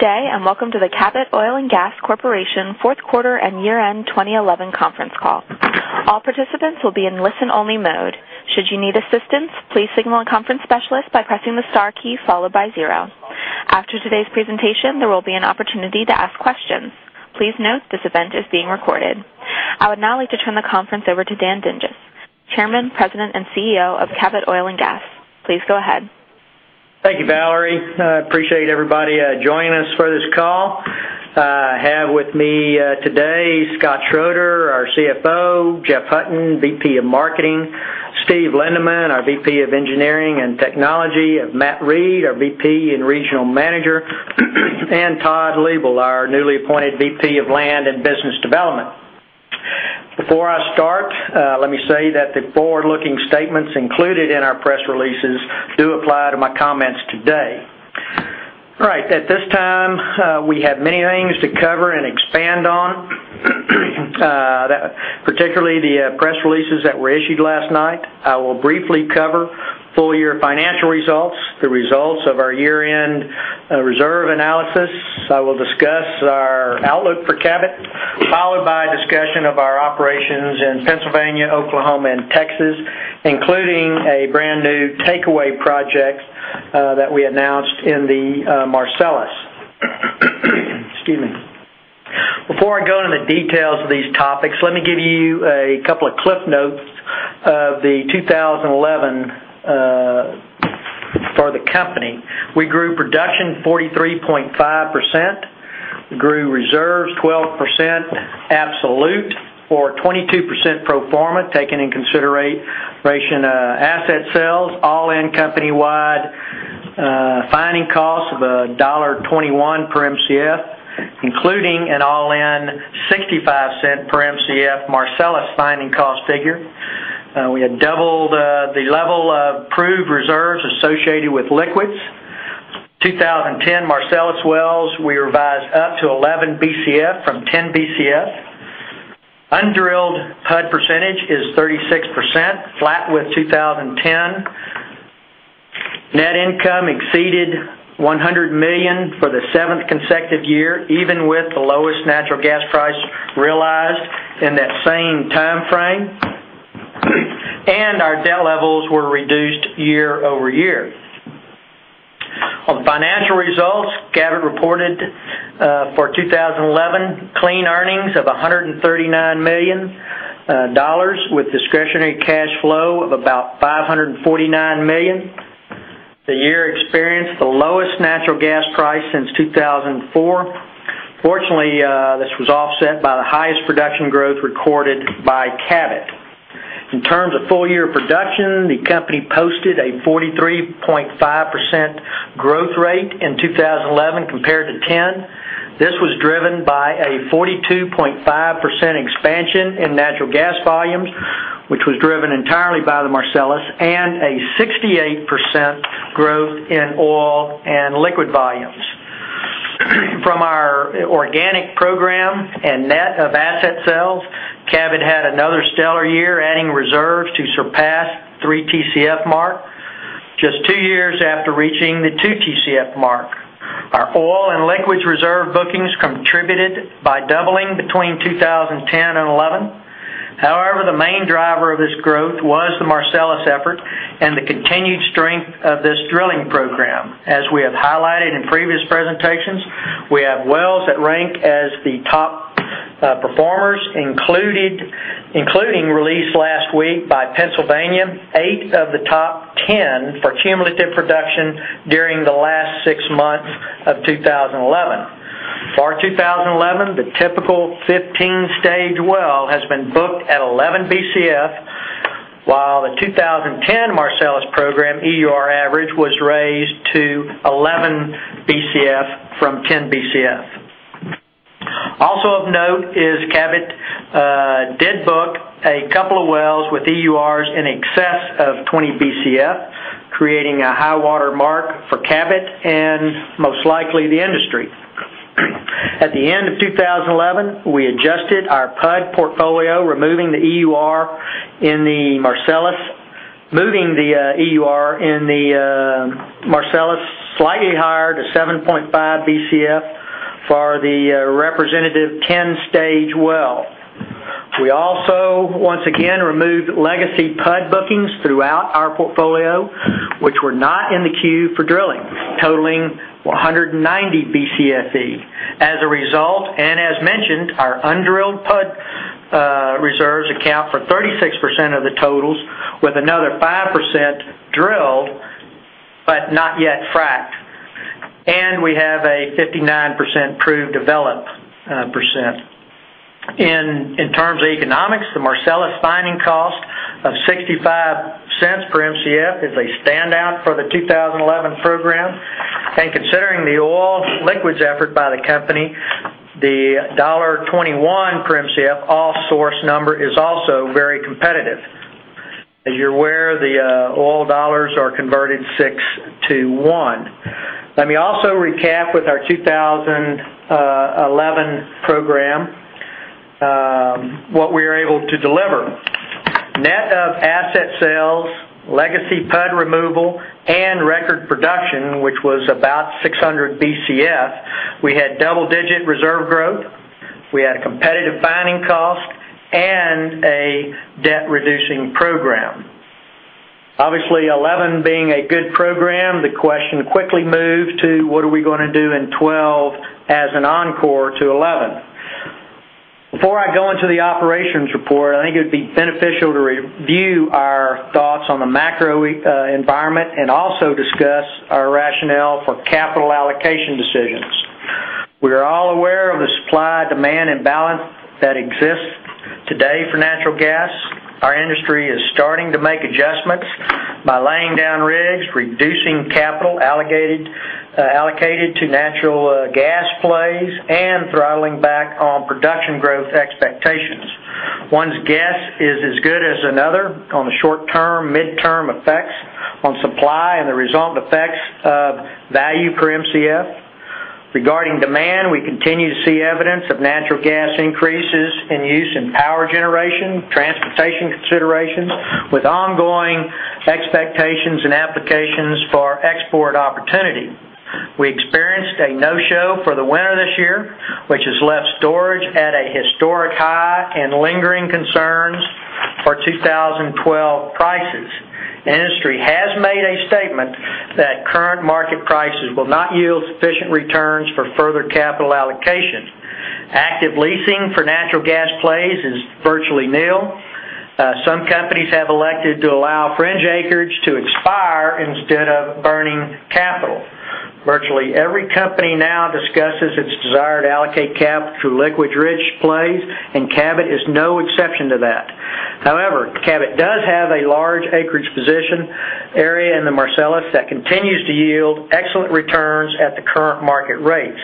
Good day and welcome to the Cabot Oil & Gas Corporation Fourth Quarter and Year-End 2011 Conference Call. All participants will be in listen-only mode. Should you need assistance, please signal a conference specialist by pressing the star key followed by zero. After today's presentation, there will be an opportunity to ask questions. Please note this event is being recorded. I would now like to turn the conference over to Dan Dinges, Chairman, President, and CEO of Cabot Oil & Gas. Please go ahead. Thank you, Valerie. I appreciate everybody joining us for this call. I have with me today Scott Schroeder, our CFO; Jeff Hutton, VP of Marketing; Steve Lindeman, our VP of Engineering and Technology; Matt Reid, our VP and Regional Manager; and Todd Liebl, our newly appointed VP of Land and Business Development. Before I start, let me say that the forward-looking statements included in our press releases do apply to my comments today. At this time, we have many things to cover and expand on, particularly the press releases that were issued last night. I will briefly cover full-year financial results, the results of our year-end reserve analysis. I will discuss our outlook for Cabot, followed by a discussion of our operations in Pennsylvania, Oklahoma, and Texas, including a brand new takeaway project that we announced in the Marcellus. Before I go into the details of these topics, let me give you a couple of clip notes of the 2011 for the company. We grew production 43.5%. We grew reserves 12% absolute for 22% pro forma taken in consideration of asset sales, all-in company-wide finding costs of $1.21 per Mcf, including an all-in $0.65 per Mcf Marcellus finding cost figure. We had doubled the level of approved reserves associated with liquids. In 2010 Marcellus wells, we revised up to 11 Bcf from 10 Bcf. Undrilled percentage is 36%, flat with 2010. Net income exceeded $100 million for the seventh consecutive year, even with the lowest natural gas price realized in that same timeframe. Our debt levels were reduced year over year. On financial results, Cabot reported for 2011 clean earnings of $139 million, with discretionary cash flow of about $549 million. The year experienced the lowest natural gas price since 2004. Fortunately, this was offset by the highest production growth recorded by Cabot. In terms of full-year production, the company posted a 43.5% growth rate in 2011 compared to 2010. This was driven by a 42.5% expansion in natural gas volumes, which was driven entirely by the Marcellus, and a 68% growth in oil and liquid volumes. From our organic program and net of asset sales, Cabot had another stellar year, adding reserves to surpass the 3 Tcf mark, just two years after reaching the 2 Tcf mark. Our oil and liquids reserve bookings contributed by doubling between 2010 and 2011. However, the main driver of this growth was the Marcellus effort and the continued strength of this drilling program. As we have highlighted in previous presentations, we have wells that rank as the top performers, including released last week by Pennsylvania, eight of the top 10 for cumulative production during the last six months of 2011. For 2011, the typical 15-stage well has been booked at 11 Bcf, while the 2010 Marcellus program EUR average was raised to 11 Bcf from 10 Bcf. Also of note is Cabot did book a couple of wells with EURs in excess of 20 Bcf, creating a high water mark for Cabot and most likely the industry. At the end of 2011, we adjusted our PUD portfolio, removing the EUR in the Marcellus, moving the EUR in the Marcellus slightly higher to 7.5 Bcf for the representative 10-stage well. We also once again removed legacy PUD bookings throughout our portfolio, which were not in the queue for drilling, totaling 190 Bcfe. As a result, and as mentioned, our undrilled PUD reserves account for 36% of the totals, with another 5% drilled but not yet fracked. We have a 59% proved developed percent. In terms of economics, the Marcellus finding cost of $0.65 per Mcf is a standout for the 2011 program. Considering the oil liquids effort by the company, the $1.21 per Mcf offsource number is also very competitive. You're aware the oil dollars are converted six to one. Let me also recap with our 2011 program what we were able to deliver. Net of asset sales, legacy PUD removal, and record production, which was about 600 Bcf, we had double-digit reserve growth. We had a competitive finding cost and a debt-reducing program. Obviously, 2011 being a good program, the question quickly moved to what are we going to do in 2012 as an encore to 2011? Before I go into the operations report, I think it would be beneficial to review our thoughts on the macro environment and also discuss our rationale for capital allocation decisions. We are all aware of the supply-demand imbalance that exists today for natural gas. Our industry is starting to make adjustments by laying down rigs, reducing capital allocated to natural gas plays, and throttling back on production growth expectations. One's guess is as good as another on the short-term, mid-term effects on supply and the result effects of value per Mcf. Regarding demand, we continue to see evidence of natural gas increases in use in power generation, transportation considerations, with ongoing expectations and applications for export opportunity. We experienced a no-show for the winter this year, which has left storage at a historic high and lingering concerns for 2012 prices. The industry has made a statement that current market prices will not yield sufficient returns for further capital allocation. Active leasing for natural gas plays is virtually nil. Some companies have elected to allow fringe acreage to expire instead of burning capital. Virtually every company now discusses its desire to allocate capital through liquids-rich plays, and Cabot is no exception to that. However, Cabot does have a large acreage position area in the Marcellus that continues to yield excellent returns at the current market rates,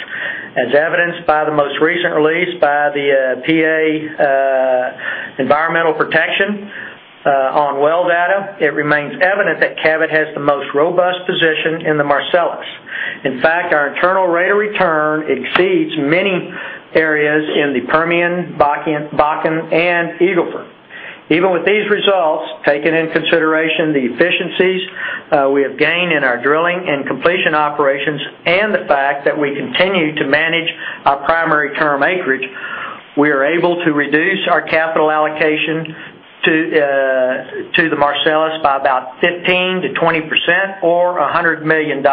as evidenced by the most recent release by the PA Environmental Protection on well data. It remains evident that Cabot has the most robust position in the Marcellus. In fact, our internal rate of return exceeds many areas in the Permian, Bakken, and Eagle Ford. Even with these results, taking in consideration the efficiencies we have gained in our drilling and completion operations and the fact that we continue to manage our primary term acreage, we are able to reduce our capital allocation to the Marcellus by about 15%-20% or $100 million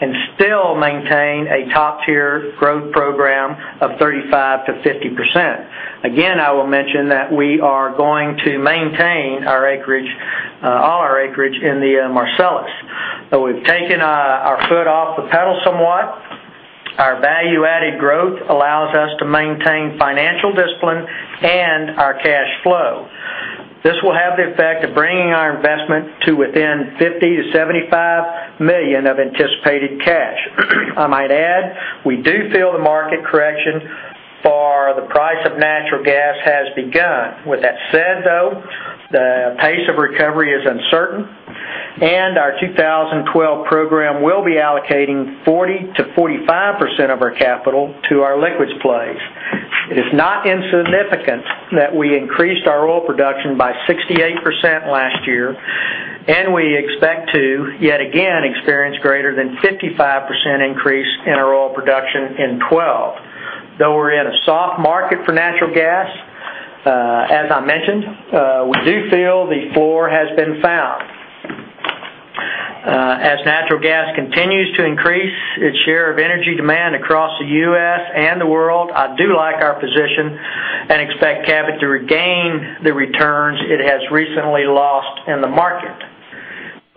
and still maintain a top-tier growth program of 35%-50%. Again, I will mention that we are going to maintain our acreage, all our acreage in the Marcellus. Though we've taken our foot off the pedal somewhat, our value-added growth allows us to maintain financial discipline and our cash flow. This will have the effect of bringing our investment to within $50 million-$75 million of anticipated cash. I might add we do feel the market correction for the price of natural gas has begun. With that said, though, the pace of recovery is uncertain, and our 2012 program will be allocating 40%-45% of our capital to our liquids plays. It is not insignificant that we increased our oil production by 68% last year, and we expect to yet again experience greater than a 55% increase in our oil production in 2012. Though we're in a soft market for natural gas, as I mentioned, we do feel the floor has been found. As natural gas continues to increase its share of energy demand across the U.S. and the world, I do like our position and expect Cabot to regain the returns it has recently lost in the market.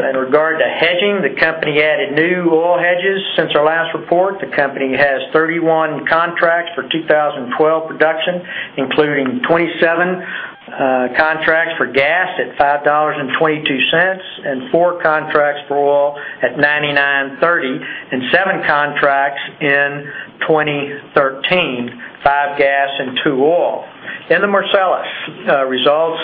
In regard to hedging, the company added new oil hedges since our last report. The company has 31 contracts for 2012 production, including 27 contracts for gas at $5.22 and 4 contracts for oil at $99.30, and 7 contracts in 2013, 5 gas and 2 oil. In the Marcellus, results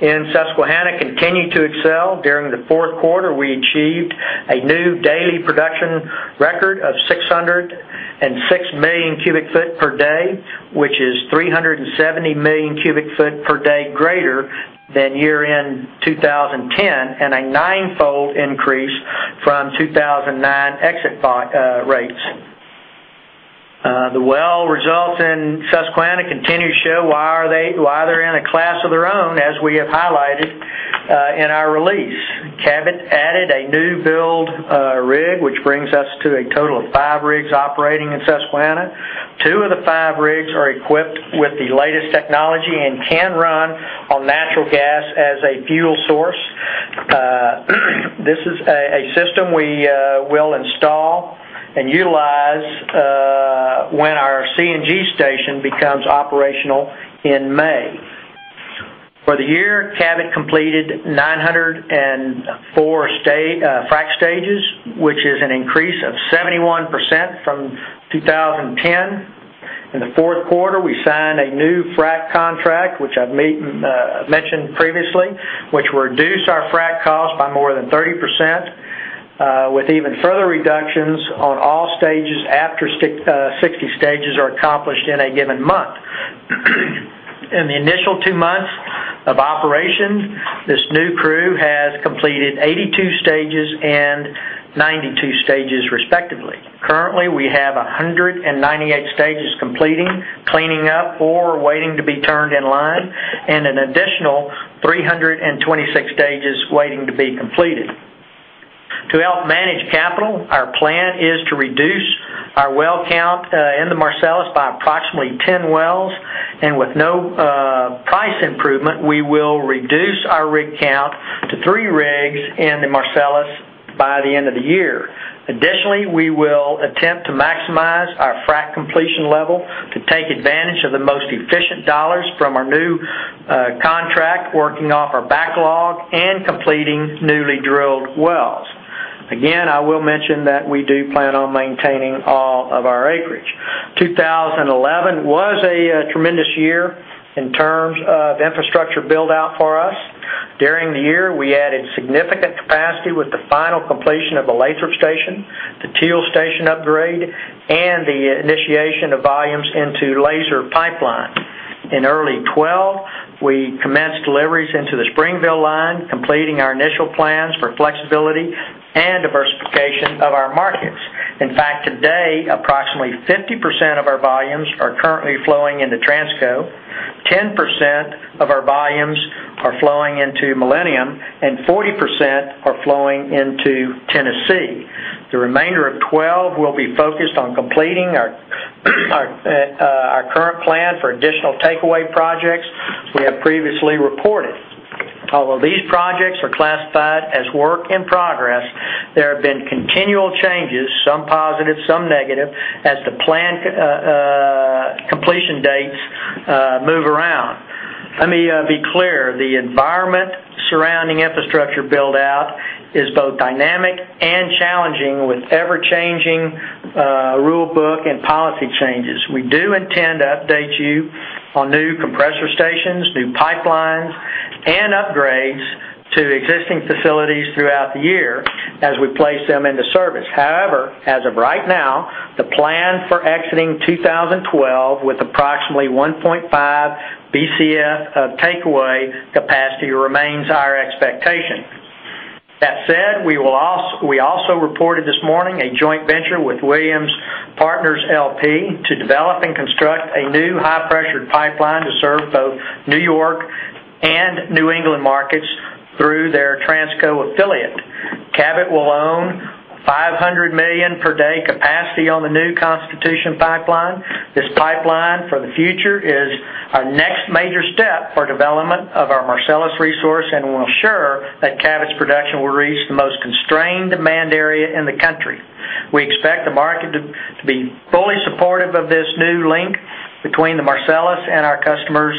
in Susquehanna continue to excel. During the fourth quarter, we achieved a new daily production record of 606 million cu ft per day, which is 370 million cu ft per day greater than year-end 2010 and a nine-fold increase from 2009 exit rates. The well results in Susquehanna continue to show why they're in a class of their own, as we have highlighted in our release. Cabot added a new build rig, which brings us to a total of five rigs operating in Susquehanna. Two of the five rigs are equipped with the latest technology and can run on natural gas as a fuel source. This is a system we will install and utilize when our CNG station becomes operational in May. For the year, Cabot completed 904 frack stages, which is an increase of 71% from 2010. In the fourth quarter, we signed a new frack contract, which I've mentioned previously, which reduced our frack cost by more than 30%, with even further reductions on all stages after 60 stages are accomplished in a given month. In the initial two months of operations, this new crew has completed 82 stages and 92 stages respectively. Currently, we have 198 stages completing, cleaning up, or waiting to be turned in line, and an additional 326 stages waiting to be completed. To help manage capital, our plan is to reduce our well count in the Marcellus by approximately 10 wells. With no price improvement, we will reduce our rig count to three rigs in the Marcellus by the end of the year. Additionally, we will attempt to maximize our frack completion level to take advantage of the most efficient dollars from our new contract, working off our backlog and completing newly drilled wells. Again, I will mention that we do plan on maintaining all of our acreage. 2011 was a tremendous year in terms of infrastructure build-out for us. During the year, we added significant capacity with the final completion of the Lathrop station, the TEAL station upgrade, and the initiation of volumes into Laser pipeline. In early 2012, we commenced deliveries into the Springville line, completing our initial plan for flexibility and diversification of our markets. In fact, today, approximately 50% of our volumes are currently flowing into Transco, 10% of our volumes are flowing into Millennium, and 40% are flowing into Tennessee. The remainder of 2012 will be focused on completing our current plan for additional takeaway projects we have previously recorded. Although these projects are classified as work in progress, there have been continual changes, some positive, some negative, as the planned completion dates move around. Let me be clear. The environment surrounding infrastructure build-out is both dynamic and challenging with ever-changing rulebook and policy changes. We do intend to update you on new compressor stations, new pipelines, and upgrades to existing facilities throughout the year as we place them into service. However, as of right now, the plan for exiting 2012 with approximately 1.5 Bcf of takeaway capacity remains our expectation. That said, we also reported this morning a joint venture with Williams Partners LP to develop and construct a new high-pressure pipeline to serve both New York and New England markets through their Transco affiliate. Cabot will own 500 million per day capacity on the new Constitution Pipeline. This pipeline for the future is our next major step for development of our Marcellus resource, and we're sure that Cabot's production will reach the most constrained demand area in the country. We expect the market to be fully supportive of this new link between the Marcellus and our customers'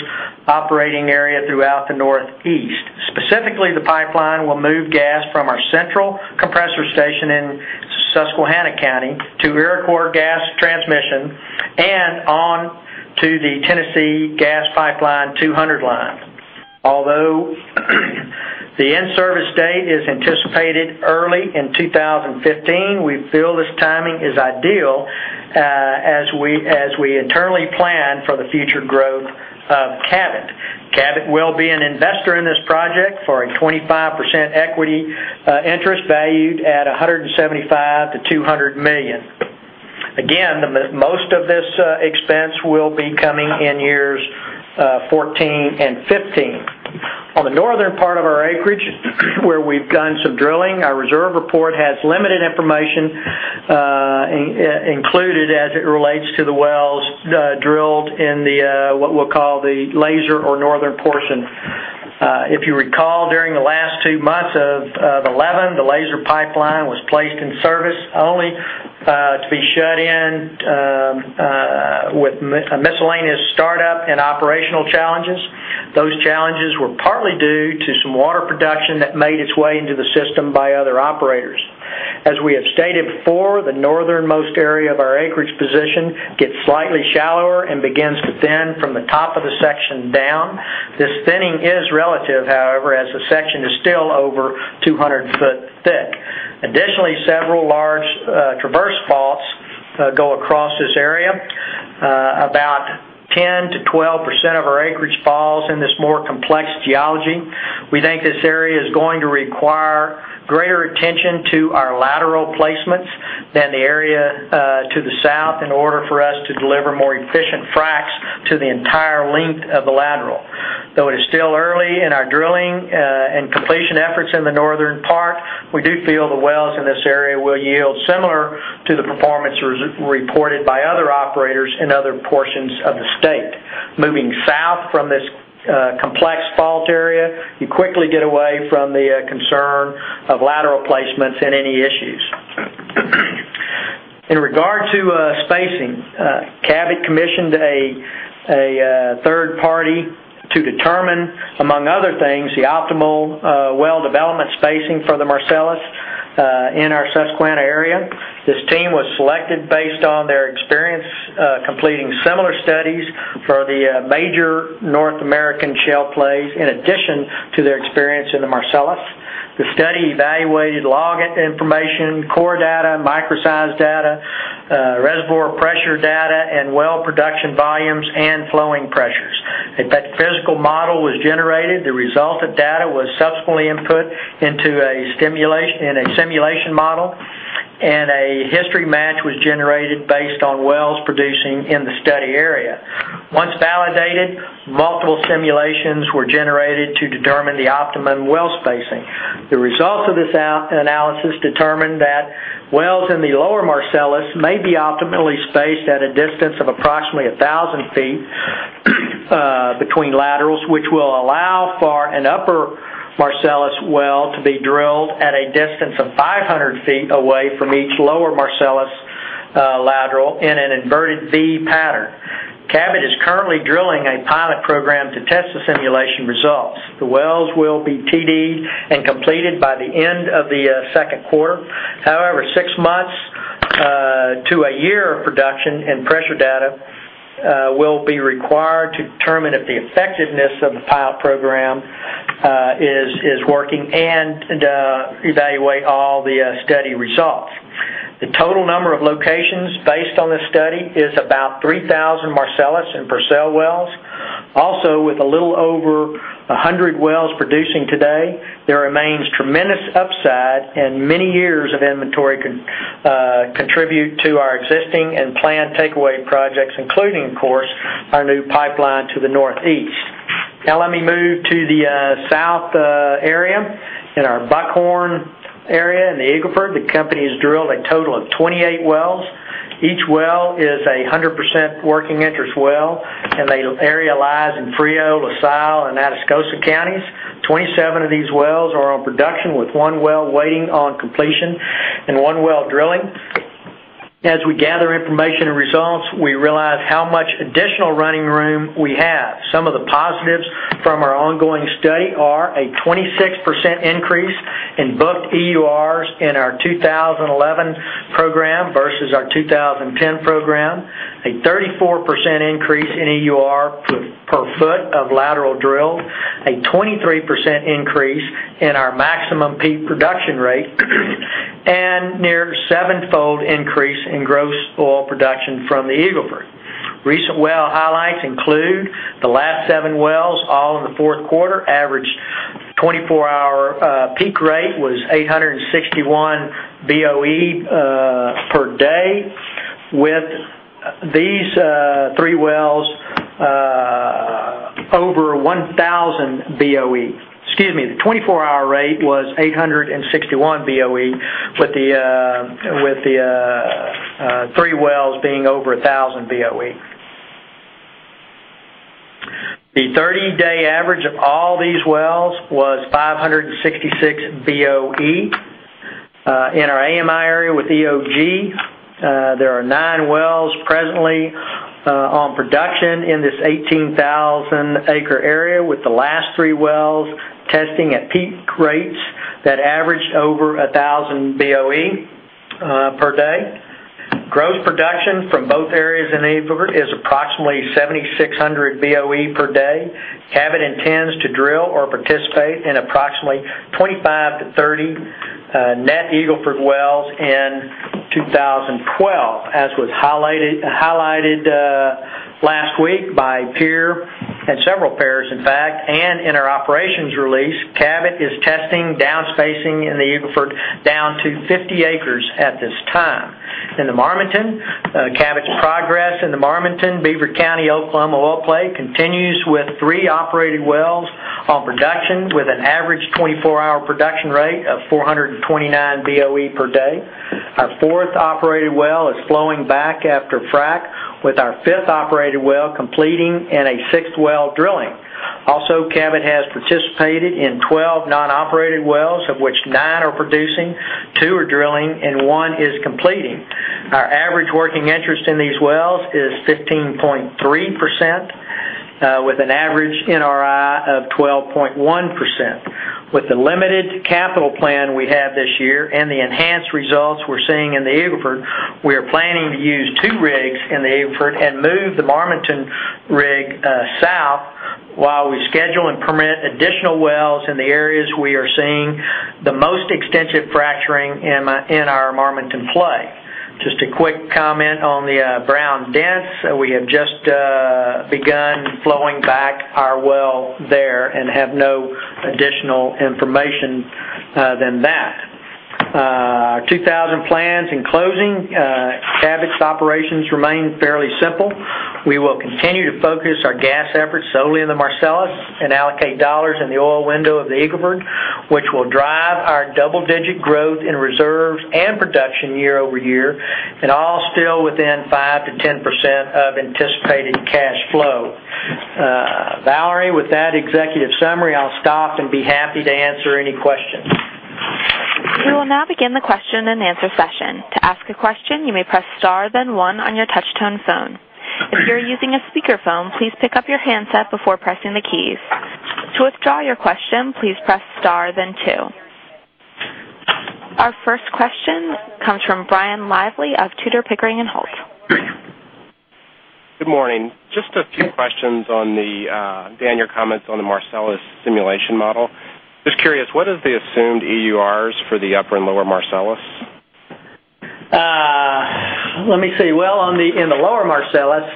operating area throughout the Northeast. Specifically, the pipeline will move gas from our central compressor station in Susquehanna County to Iroquois Gas Transmission and on to the Tennessee Gas Pipeline 200 line. Although the in-service date is anticipated early in 2015, we feel this timing is ideal as we internally plan for the future Cabot will be an investor in this project for a 25% equity interest valued at $175 million-$200 million. Again, most of this expense will be coming in years 2014 and 2015. On the northern part of our acreage, where we've done some drilling, our reserve report has limited information included as it relates to the wells drilled in what we'll call the Laser or northern portion. If you recall, during the last two months of 2011, the Laser pipeline was placed in service only to be shut in with a miscellaneous startup and operational challenges. Those challenges were partly due to some water production that made its way into the system by other operators. As we have stated before, the northernmost area of our acreage position gets slightly shallower and begins to thin from the top of the section down. This thinning is relative, however, as the section is still over 200 ft thick. Additionally, several large traverse faults go across this area. About 10%-12% of our acreage falls in this more complex geology. We think this area is going to require greater attention to our lateral placements than the area to the south in order for us to deliver more efficient fracks to the entire length of the lateral. Though it is still early in our drilling and completion efforts in the northern part, we do feel the wells in this area will yield similar to the performance reported by other operators in other portions of the state. Moving south from this complex fault area, you quickly get away from the concern of lateral placements and any issues. In regard to spacing, Cabot commissioned a third party to determine, among other things, the optimal well development spacing for the Marcellus in our Susquehanna area. This team was selected based on their experience completing similar studies for the major North American shale plays in addition to their experience in the Marcellus. The study evaluated log information, core data, microseismic data, reservoir pressure data, and well production volumes and flowing pressures. Once that physical model was generated, the resultant data was subsequently input into a simulation model, and a history match was generated based on wells producing in the study area. Once validated, multiple simulations were generated to determine the optimum well spacing. The results of this analysis determined that wells in the lower Marcellus may be optimally spaced at a distance of approximately 1,000 ft between laterals, which will allow for an upper Marcellus well to be drilled at a distance of 500 ft away from each lower Marcellus lateral in an inverted V pattern. Cabot is currently drilling a pilot program to test the simulation results. The wells will be TD'd and completed by the end of the second quarter. However, six months to a year of production and fresher data will be required to determine if the effectiveness of the pilot program is working and evaluate all the study results. The total number of locations based on this study is about 3,000 Marcellus and Percel wells. Also, with a little over 100 wells producing today, there remains tremendous upside, and many years of inventory contribute to our existing and planned takeaway projects, including, of course, our new pipeline to the Northeast. Now let me move to the south area in our Buckhorn area in the Eagle Ford. The company has drilled a total of 28 wells. Each well is a 100% working interest well, and the area lies in Frio, La Salle, and Atascosa counties. 27 of these wells are on production, with one well waiting on completion and one well drilling. As we gather information and results, we realize how much additional running room we have. Some of the positives from our ongoing study are a 26% increase in booked EURs in our 2011 program versus our 2010 program, a 34% increase in EUR per foot of lateral drilled, a 23% increase in our maximum peak production rate, and a near seven-fold increase in gross oil production from the Eagle Ford. Recent well highlights include the last seven wells, all in the fourth quarter. Average 24-hour peak rate was 861 boe per day, with these three wells over 1,000 boe. Excuse me. The 24-hour rate was 861 boe, with the three wells being over 1,000 boe. The 30-day average of all these wells was 566 boe. In our AMI area with EOG, there are nine wells presently on production in this 18,000-acre area, with the last three wells testing at peak rates that average over 1,000 boe per day. Gross production from both areas in Eagle Ford is approximately 7,600 boe per day. Cabot intends to drill or participate in approximately 25-30 net Eagle Ford wells in 2012, as was highlighted last week by peer and several pairs, in fact. In our operations release, Cabot is testing downspacing in the Eagle Ford down to 50 acres at this time. In the Marmaton, Cabot's progress in the Marmaton-Beaver County Oklahoma oil play continues with three operated wells on production, with an average 24-hour production rate of 429 boe per day. Our fourth operated well is flowing back after frack, with our fifth operated well completing and a sixth well drilling. Also, Cabot has participated in 12 non-operated wells, of which nine are producing, two are drilling, and one is completing. Our average working interest in these wells is 15.3%, with an average NRI of 12.1%. With the limited capital plan we have this year and the enhanced results we're seeing in the Eagle Ford, we are planning to use two rigs in the Eagle Ford and move the Marmaton rig south while we schedule and permit additional wells in the areas we are seeing the most extensive fracturing in our Marmaton play. Just a quick comment on the Brown Dense. We have just begun flowing back our well there and have no additional information than that. Our [2012] plans in closing, Cabot's operations remain fairly simple. We will continue to focus our gas efforts solely in the Marcellus and allocate dollars in the oil window of the Eagle Ford, which will drive our double-digit growth in reserves and production year-over-year, and all still within 5%-10% of anticipated cash flow. Valerie, with that executive summary, I'll stop and be happy to answer any questions. We will now begin the question and answer session. To ask a question, you may press star, then one on your touch-tone phone. If you're using a speaker phone, please pick up your handset before pressing the keys. To withdraw your question, please press star, then two. Our first question comes from Brian Lively of Tudor, Pickering, Holt. Good morning. Just a few questions on the, Dan, your comments on the Marcellus simulation model. Just curious, what is the assumed EURs for the upper and lower Marcellus? Let me see. In the lower Marcellus,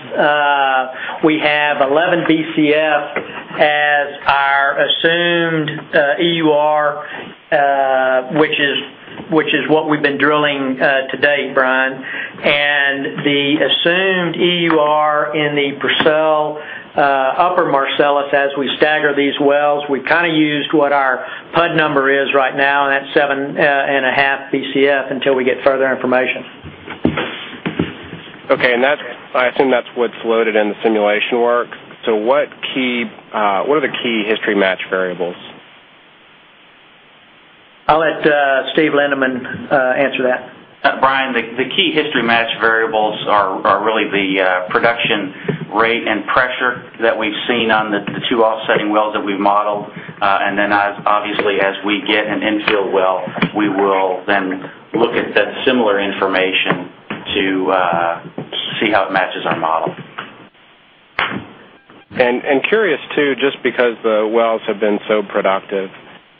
we have 11 Bcf as our assumed EUR, which is what we've been drilling today, Brian. The assumed EUR in the upper Marcellus, as we stagger these wells, we kind of used what our PUD number is right now, and that's 7.5 Bcf until we get further information. Okay. I think that's what's loaded in the simulation work. What are the key history match variables? I'll let Steve Lindeman answer that. Brian, the key history match variables are really the production rate and pressure that we've seen on the two offsetting wells that we've modeled. Obviously, as we get an infield well, we will then look at that similar information to see how it matches our model. Curious, too, just because the wells have been so productive,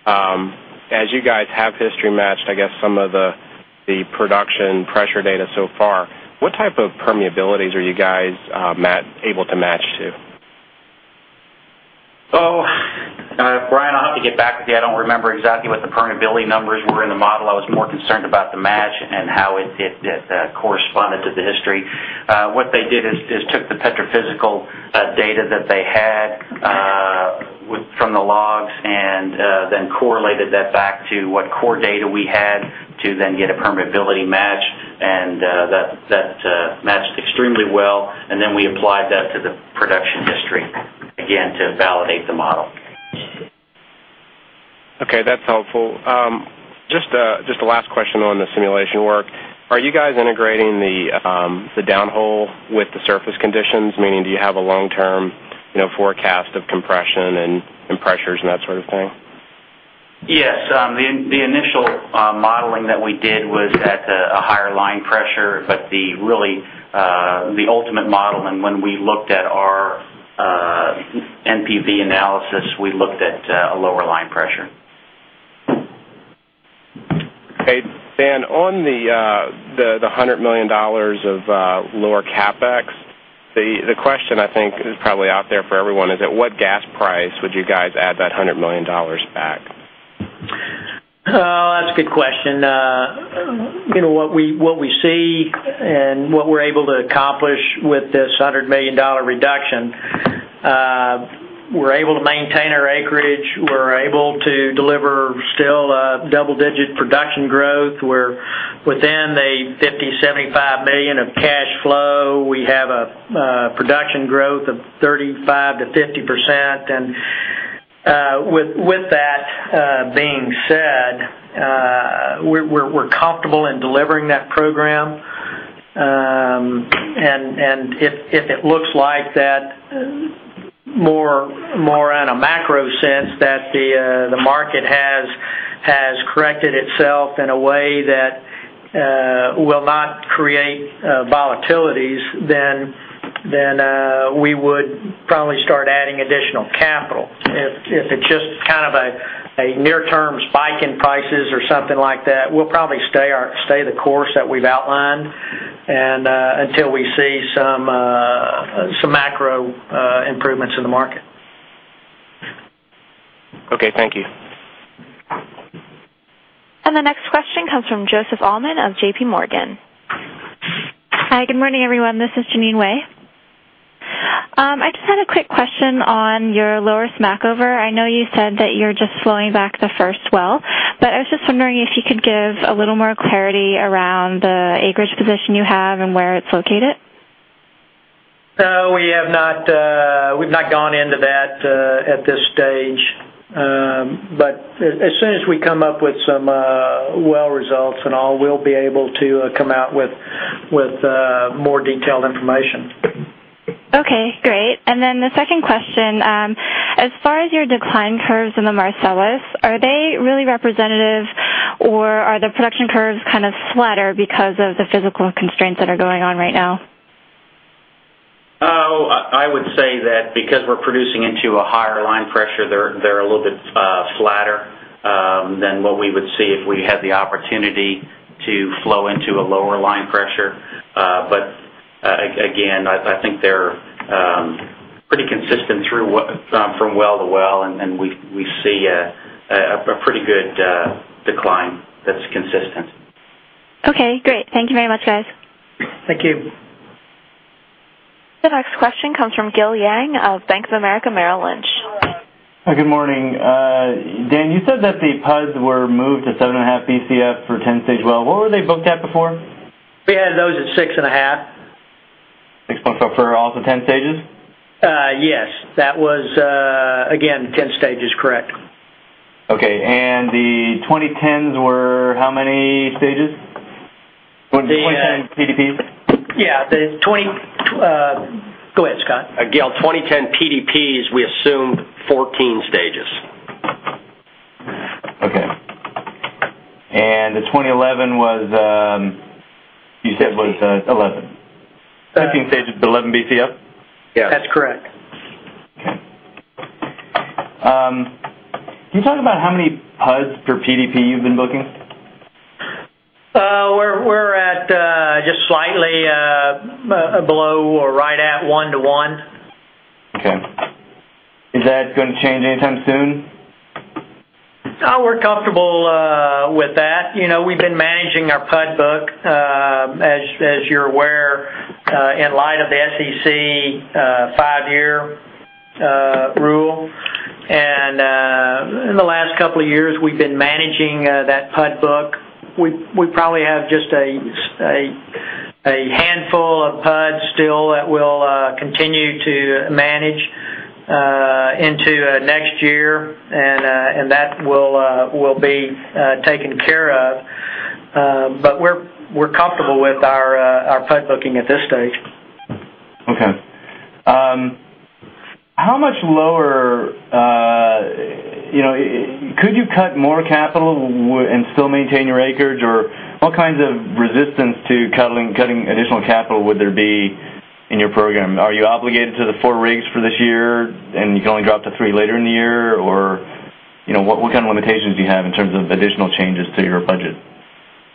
as you guys have history matched some of the production pressure data so far, what type of permeabilities are you guys able to match to? Brian, I'll have to get back with you. I don't remember exactly what the permeability numbers were in the model. I was more concerned about the match and how it corresponded to the history. What they did is took the petrophysical data that they had from the logs and then correlated that back to what core data we had to then get a permeability match, and that matched extremely well. We applied that to the production history, again, to validate the model. Okay. That's helpful. Just the last question on the simulation work. Are you guys integrating the downhole with the surface conditions, meaning do you have a long-term forecast of compression and pressures and that sort of thing? Yes. The initial modeling that we did was at a higher line pressure, but the really ultimate modeling, when we looked at our NPV analysis, we looked at a lower line pressure. Hey, Dan, on the $100 million of lower CapEx, the question I think is probably out there for everyone is at what gas price would you guys add that $100 million back? Oh, that's a good question. You know what we see and what we're able to accomplish with this $100 million reduction, we're able to maintain our acreage. We're able to deliver still double-digit production growth. We're within the $50 million, $75 million of cash flow. We have a production growth of 35% to 50%. With that being said, we're comfortable in delivering that program. If it looks like, more in a macro sense, that the market has corrected itself in a way that will not create volatilities, we would probably start adding additional capital. If it's just kind of a near-term spike in prices or something like that, we'll probably stay the course that we've outlined until we see some macro improvements in the market. Okay, thank you. The next question comes from Joseph Allman of JPMorgan. Hi. Good morning, everyone. This is Jeanine Wai. I just had a quick question on your lowest muckover. I know you said that you're just flowing back the first well, but I was just wondering if you could give a little more clarity around the acreage position you have and where it's located. We have not gone into that at this stage. As soon as we come up with some well results and all, we'll be able to come out with more detailed information. Okay. Great. The second question, as far as your decline curves in the Marcellus, are they really representative, or are the production curves kind of flatter because of the physical constraints that are going on right now? I would say that because we're producing into a higher line pressure, they're a little bit flatter than what we would see if we had the opportunity to flow into a lower line pressure. Again, I think they're pretty consistent through from well to well, and we see a pretty good decline that's consistent. Okay, great. Thank you very much, guys. Thank you. The next question comes from Gil Yang of Bank of America. Good morning. Dan, you said that the PUDs were moved to 7.5 Bcf for 10-stage well. What were they booked at before? We had those at 6.50 Bcf. million for also 10 stages? Yes, that was, again, 10 stages, correct. Okay. The 2010s were how many stages? 2010 TDPs? Yeah, go ahead, Scott. Gil, 2010 TDPs, we assume 14 stages. Okay. The 2011 was, you said, was 11. 13 stages, but 11 Bcf? Yes. That's correct. Can you talk about how many PUDs per TDP you've been booking? We're at just slightly below or right at one to one. Okay, is that going to change anytime soon? We're comfortable with that. We've been managing our PUD book, as you're aware, in light of the NCC five-year rule. In the last couple of years, we've been managing that PUD book. We probably have just a handful of PUDs still that we'll continue to manage into next year, and that will be taken care of. We're comfortable with our PUD booking at this stage. Okay. How much lower, you know, could you cut more capital and still maintain your acreage, or what kinds of resistance to cutting additional capital would there be in your program? Are you obligated to the four rigs for this year, and you can only drop to three later in the year, or what kind of limitations do you have in terms of additional changes to your budget?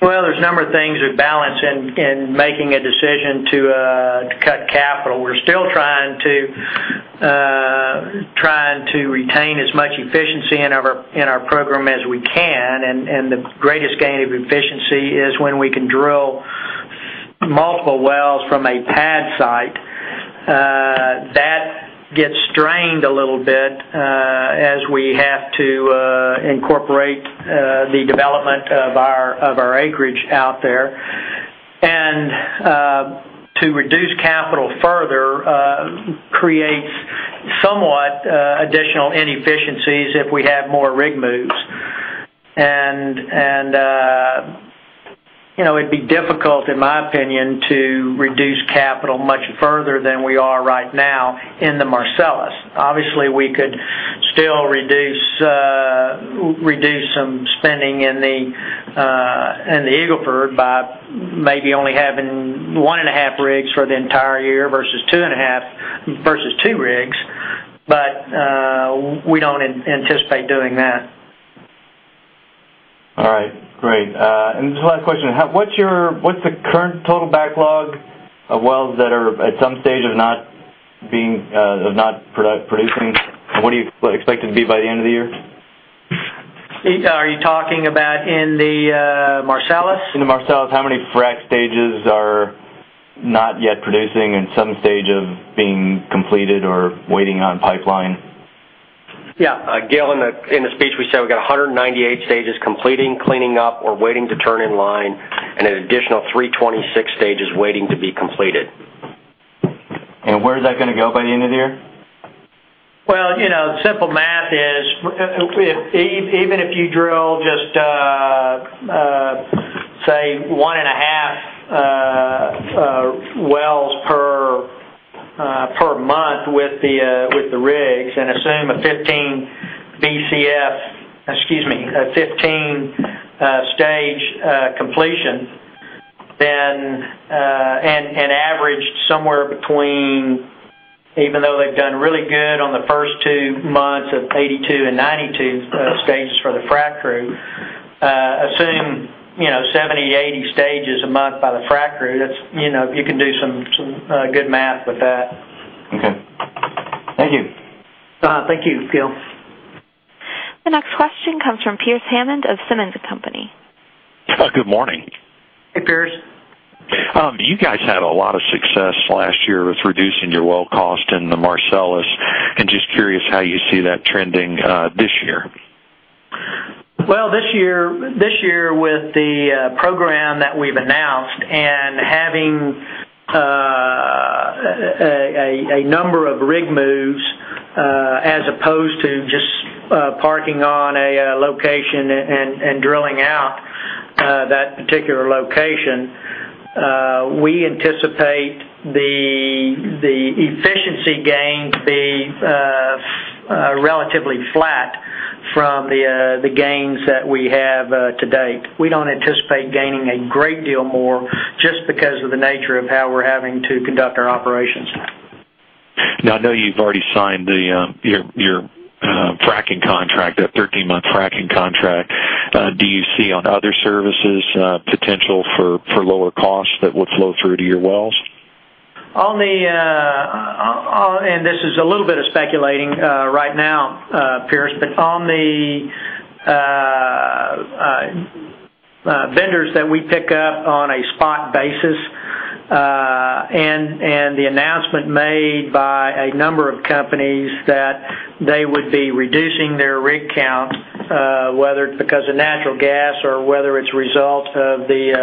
There are a number of things that balance in making a decision to cut capital. We're still trying to retain as much efficiency in our program as we can. The greatest gain of efficiency is when we can drill multiple wells from a pad site. That gets drained a little bit as we have to incorporate the development of our acreage out there. To reduce capital further creates somewhat additional inefficiencies if we have more rig moves. In my opinion, it'd be difficult to reduce capital much further than we are right now in the Marcellus. Obviously, we could still reduce some spending in the Eagle Ford by maybe only having one and a half rigs for the entire year versus two and a half or two rigs, but we don't anticipate doing that. All right. Great. Just the last question. What's the current total backlog of wells that are at some stage of not producing? What do you expect it to be by the end of the year? Are you talking about in the Marcellus? In the Marcellus, how many frack stages are not yet producing and some stage of being completed or waiting on pipeline? Yeah, Gil, in the speech, we said we got 198 stages completing, cleaning up, or waiting to turn in line, and an additional 326 stages waiting to be completed. Where is that going to go by the end of the year? The simple math is even if you drill just, say, one and a half well per month with the rigs and assume a 15 Bcf, excuse me, a 15-stage completion, and averaged somewhere between, even though they've done really good on the first two months of 82 and 92 stages for the frack crew, assume you know 70, 80 stages a month by the frack crew. That's, you know, you can do some good math with that. Okay, thank you. Thank you, Gil. The next question comes from Pearce Hammond of Simmons & Company. Good morning. Hey, Pearce. You guys had a lot of success last year with reducing your well cost in the Marcellus, and just curious how you see that trending this year. This year, with the program that we've announced and having a number of rig moves as opposed to just parking on a location and drilling out that particular location, we anticipate the efficiency gains to be relatively flat from the gains that we have to date. We don't anticipate gaining a great deal more just because of the nature of how we're having to conduct our operations. Now, I know you've already signed your frack contract, that 13-month frack contract. Do you see on other services potential for lower costs that would flow through to your wells? This is a little bit of speculating right now, Pearce, but on the vendors that we pick up on a spot basis and the announcement made by a number of companies that they would be reducing their rig count, whether it's because of natural gas or whether it's a result of the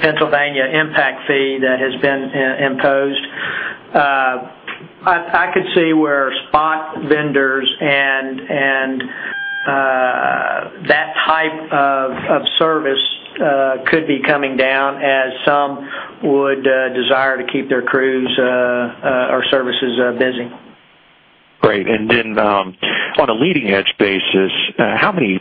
Pennsylvania impact fee that has been imposed, I could see where spot vendors and that type of service could be coming down as some would desire to keep their crews or services busy. Great. On a leading-edge basis, how many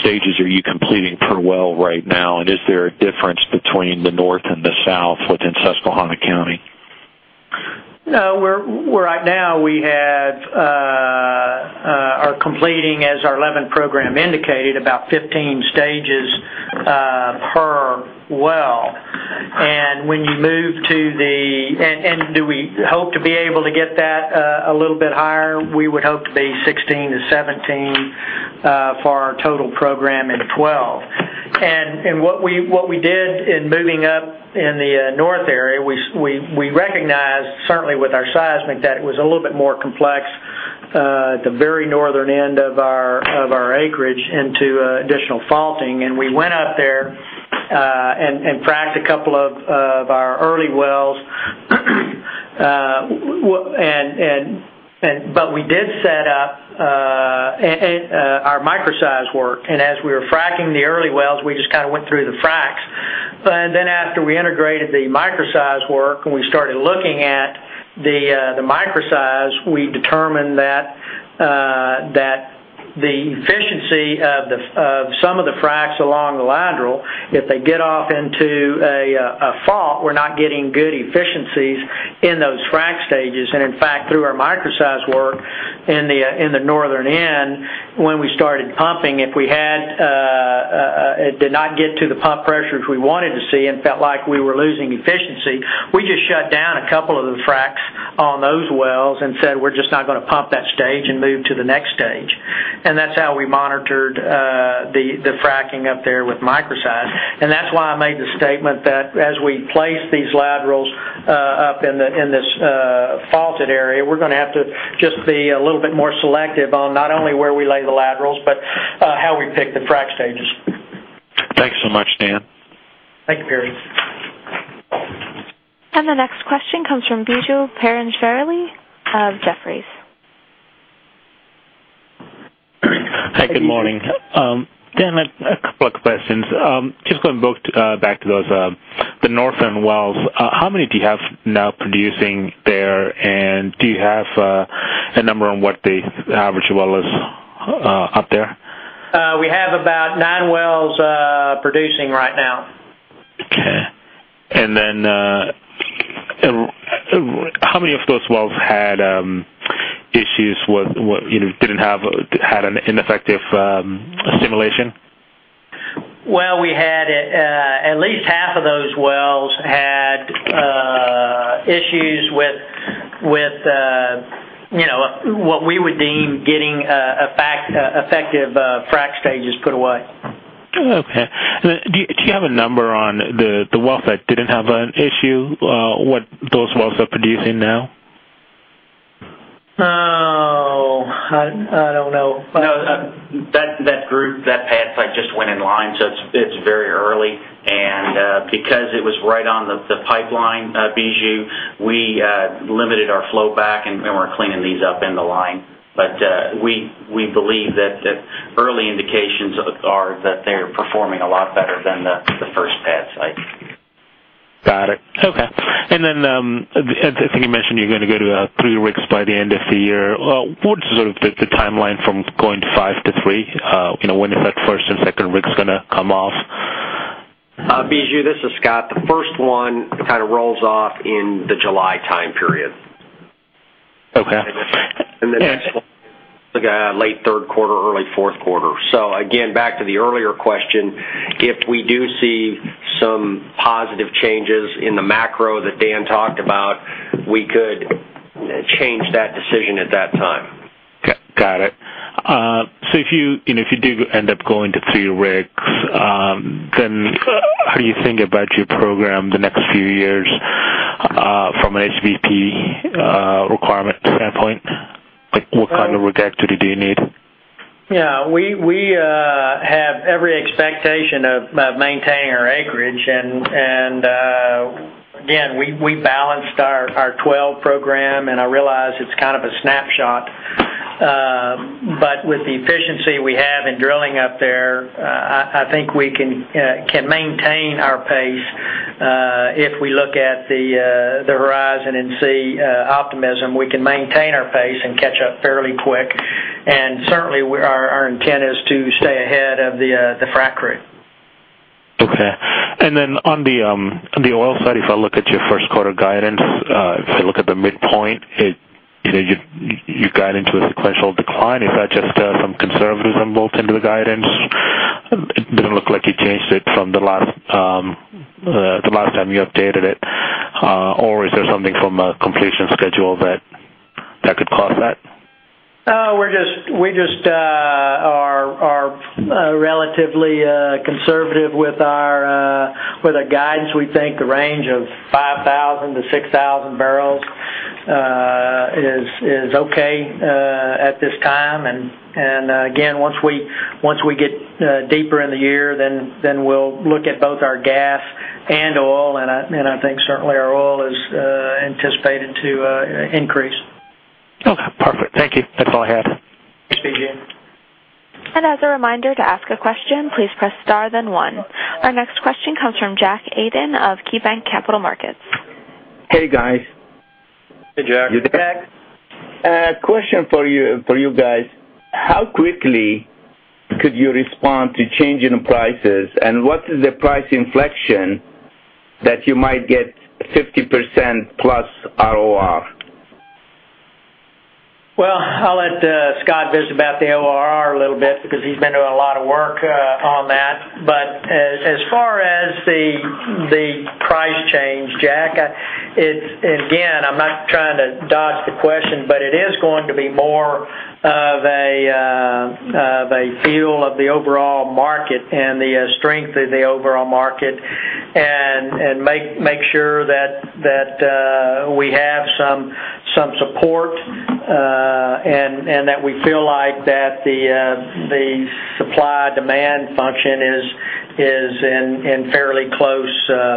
stages are you completing per well right now, and is there a difference between the north and the south within Susquehanna County? No. We're right now, we have completing, as our 2011 program indicated, about 15 stages per well. When you move to the, and do we hope to be able to get that a little bit higher? We would hope to be 16-17 for our total program in 2012. What we did in moving up in the north area, we recognized certainly with our seismic that it was a little bit more complex at the very northern end of our acreage into additional faulting. We went up there and fracked a couple of our early wells. We did set up our microseismic work. As we were fracking the early wells, we just kind of went through the fracks. After we integrated the microseismic work and we started looking at the microseismic, we determined that the efficiency of some of the fracks along the lateral, if they get off into a fault, we're not getting good efficiencies in those frack stages. In fact, through our microseismic work in the northern end, when we started pumping, if we did not get to the pump pressures we wanted to see and felt like we were losing efficiency, we just shut down a couple of the fracks on those wells and said, "We're just not going to pump that stage and move to the next stage." That's how we monitored the fracking up there with microseismic. That's why I made the statement that as we place these laterals up in the faulted area, we're going to have to just be a little bit more selective on not only where we lay the laterals but how we pick the frack stages. Thanks so much, Dan. Thank you, Pearce. The next question comes from Biju Perincheril of Jefferies. Hey, good morning. Dan, a couple of questions. Just going back to the northern wells, how many do you have now producing there, and do you have a number on what the average well is up there? We have about nine wells producing right now. Okay. How many of those wells had issues with, you know, didn't have an ineffective assimilation? At least half of those wells had issues with, you know, what we would deem getting effective frack stages put away. Okay. Do you have a number on the wells that didn't have an issue, what those wells are producing now? I don't know. No, that group, that pad site just went in line, so it's very early. Because it was right on the pipeline, we limited our flow back and we're cleaning these up in the line. We believe that early indications are that they're performing a lot better than the first pad site. Got it. Okay. I think you mentioned you're going to go to three rigs by the end of the year. What's the timeline from going to five to three? When is that first and second rig going to come off? Biju, this is Scott. The first one kind of rolls off in the July time period. Okay. The second one is late third quarter, early fourth quarter. Again, back to the earlier question, if we do see some positive changes in the macro that Dan talked about, we could change that decision at that time. Got it. If you do end up going to three rigs, how do you think about your program the next few years from an HVP requirement standpoint? What kind of rig actually do you need? Yeah. We have every expectation of maintaining our acreage. Again, we balanced our 2012 program, and I realize it's kind of a snapshot. With the efficiency we have in drilling up there, I think we can maintain our pace. If we look at the horizon and see optimism, we can maintain our pace and catch up fairly quick. Certainly, our intent is to stay ahead of the frack crew. Okay. On the oil side, if I look at your first quarter guidance, if I look at the midpoint, your guidance was a placeholder decline. Is that just from conservatives involved in the guidance? It didn't look like you changed it from the last time you updated it. Is there something from a completion schedule that could cause that? We just are relatively conservative with our guidance. We think the range of 5,000-6,000 barrels is okay at this time. Once we get deeper in the year, we'll look at both our gas and oil. I think certainly our oil is anticipated to increase. Okay. Perfect. Thank you. That's all I had. As a reminder, to ask a question, please press star, then one. Our next question comes from Jack Aydin of KeyBanc Capital Markets. Hey, guys. Hey, Jack. Hey, Jack. A question for you guys. How quickly could you respond to changing the prices, and what is the price inflection that you might get 50%+ ROR? I'll let Scott visit about the ROR a little bit because he's been doing a lot of work on that. As far as the price change, Jack, it's, and again, I'm not trying to dodge the question, but it is going to be more of a feel of the overall market and the strength of the overall market and make sure that we have some support and that we feel like the supply-demand function is in fairly close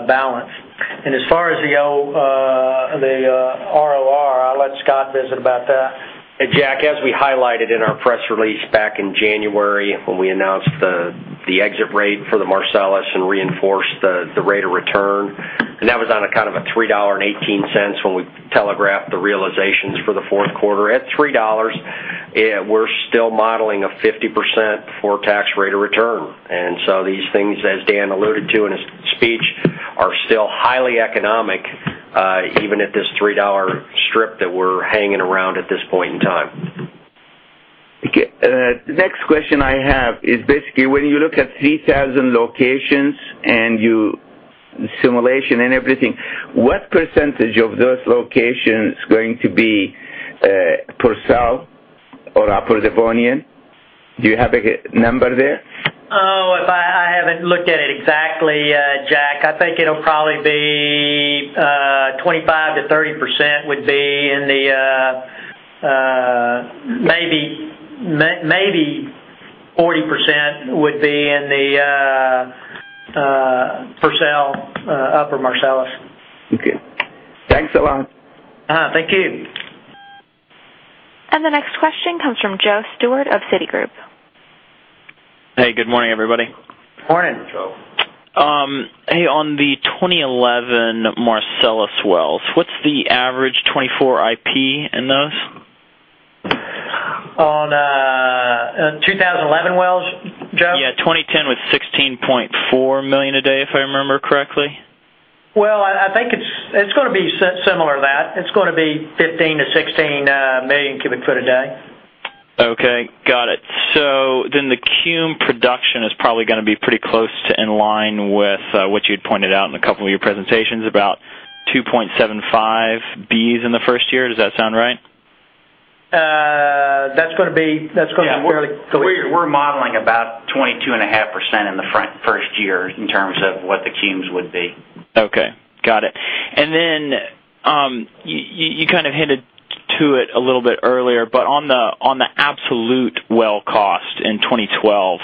balance. As far as the ROR, I'll let Scott visit about that. Hey, Jack. As we highlighted in our press release back in January when we announced the exit rate for the Marcellus and reinforced the rate of return, and that was on a kind of a $3.18 when we telegraphed the realizations for the fourth quarter at $3, we're still modeling a 50% for tax rate of return. These things, as Dan alluded to in his speech, are still highly economic, even at this $3 strip that we're hanging around at this point in time. The next question I have is basically when you look at 3,000 locations and you simulation and everything, what percentage of those locations is going to be [Upper Marcellus] or Upper Devonian? Do you have a number there? Oh, I haven't looked at it exactly, Jack. I think it'll probably be 25% to 30% would be in the maybe 40% would be in the Upper Marcellus. Okay, thanks a lot. Thank you. The next question comes from Joe Stewart of Citigroup. Hey, good morning, everybody. Morning, Joe. Hey, on the 2011 Marcellus wells, what's the average 24 IP in those? On 2011 wells, Joe? Yeah, 2010 was $16.4 million a day, if I remember correctly. I think it's going to be similar to that. It's going to be 15 million cu ft-16 million cu ft a day. Okay. Got it. The cum production is probably going to be pretty close to in line with what you had pointed out in a couple of your presentations, about 2.75 Bcf in the first year. Does that sound right? That's going to be fairly close. We're modeling about 22.5% in the first year in terms of what the cums would be. Okay. Got it. You kind of hinted to it a little bit earlier, but on the absolute well cost in 2012,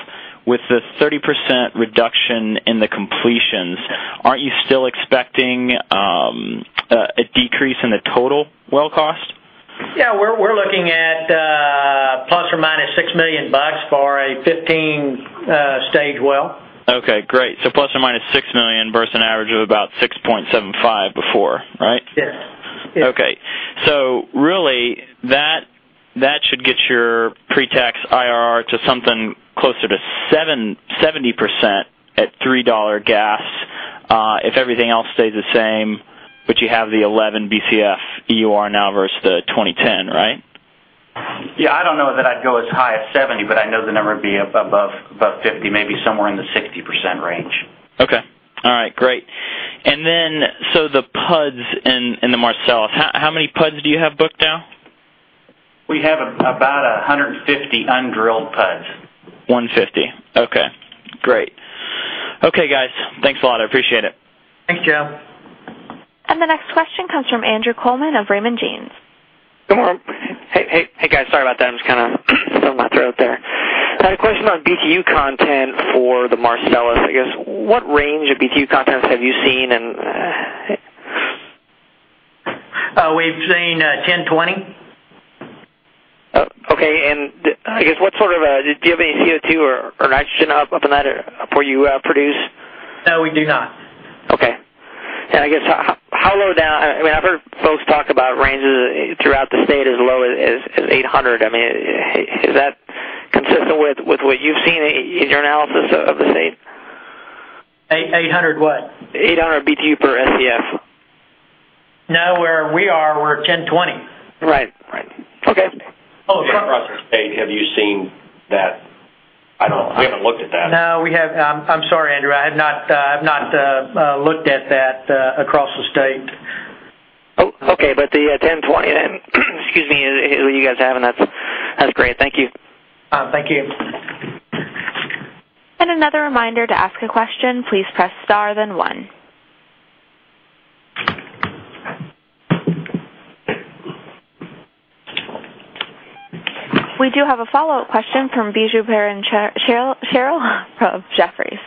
with the 30% reduction in the completions, aren't you still expecting a decrease in the total well cost? Yeah. We're looking at ±$6 million for a 15-stage well. Great. ±$6 million versus an average of about $6.75 million before, right? Yes. Okay. That should get your pre-tax IRR to something closer to 70% at $3 gas if everything else stays the same, but you have the 11 Bcf EUR now versus the 2010, right? I don't know that I'd go as high as 70%, but I know the number would be up above 50%, maybe somewhere in the 60% range. Okay. All right. Great. The PUDs in the Marcellus, how many PUDs do you have booked now? We have about 150 undrilled PUDs. 150. Okay. Great. Okay, guys. Thanks a lot. I appreciate it. Thanks, Joe. The next question comes from Andrew Coleman of Raymond James. Hey guys. Sorry about that. I'm just kind of stuffing my throat there. I had a question about BTU content or the Marcellus, I guess. What range of BTU contents have you seen? We've seen 1,020 BTU. Okay. Do you have any CO2 or nitrogen up in that for you produce? No, we do not. Okay. I guess how low down, I mean, I've heard folks talk about ranges throughout the state as low as 800. Is that consistent with what you've seen in your analysis of the state? 800 what? 800 BTU per SCF. No, where we are, we're 1,020 BTU. Right. Okay. Across the state, have you seen that? I don't know. I haven't looked at that. No, we have. I'm sorry, Andrew. I have not looked at that across the state. Okay. The 1020 BTU, what you guys have in that, that's great. Thank you. Thank you. To ask a question, please press star, then one. We have a follow-up question from Biju Perincheril from Jefferies.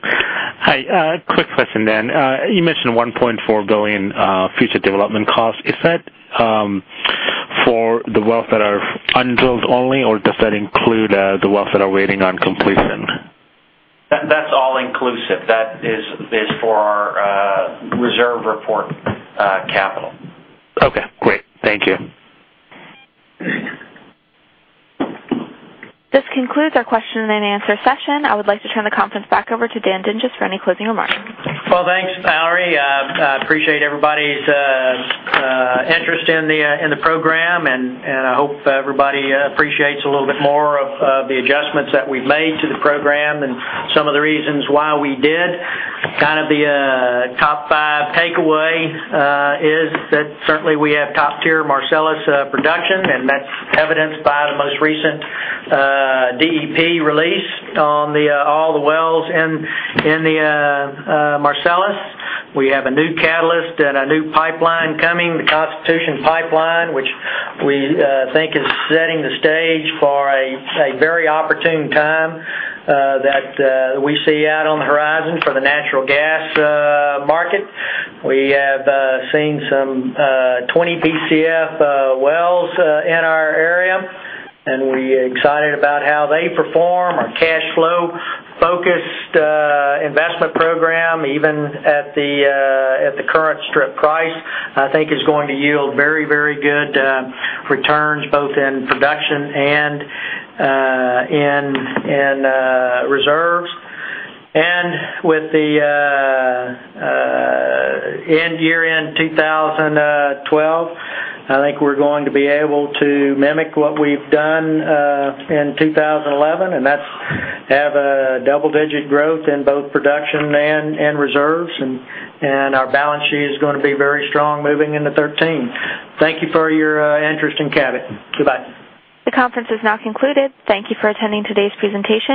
Hi. A quick question, Dan. You mentioned $1.4 billion future development costs. Is that for the wells that are undrilled only, or does that include the wells that are waiting on completion? That's all inclusive. That is for our reserve report capital. Okay. Great. Thank you. This concludes our question and answer session. I would like to turn the conference back over to Dan Dinges for any closing remarks. Thank you, Valerie. I appreciate everybody's interest in the program, and I hope everybody appreciates a little bit more of the adjustments that we've made to the program and some of the reasons why we did. Kind of the top five takeaway is that certainly we have top-tier Marcellus production, and that's evidenced by the most recent DEP release on all the wells in the Marcellus. We have a new catalyst and a new pipeline coming, the Constitution Pipeline, which we think is setting the stage for a very opportune time that we see out on the horizon for the natural gas market. We have seen some 20 Bcf wells in our area, and we're excited about how they perform. Our cash-flow-focused investment program, even at the current strip price, I think is going to yield very, very good returns both in production and in reserves. With the end year in 2012, I think we're going to be able to mimic what we've done in 2011, and that's have a double-digit growth in both production and reserves. Our balance sheet is going to be very strong moving into 2013. Thank you for your interest in Cabot. Goodbye. The conference is now concluded. Thank you for attending today's presentation.